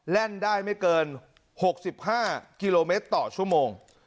เล่นได้ไม่เกิน๖๕กิโลเมตรต่อชั่วโมง